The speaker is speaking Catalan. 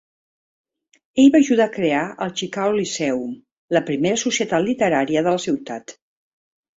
Ell va ajudar a crear el Chicago Lyceum, la primera societat literària de la ciutat.